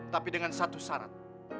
tapi dengan satu syarat